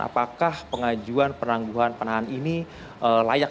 apakah pengajuan penangguhan penahan ini layak